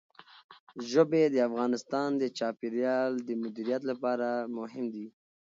ژبې د افغانستان د چاپیریال د مدیریت لپاره مهم دي.